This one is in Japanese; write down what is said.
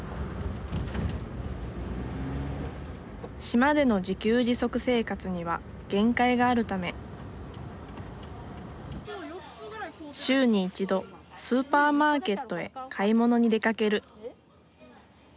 島での自給自足生活には限界があるため週に１度スーパーマーケットへ買い物に出かける。